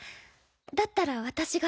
だったら私が。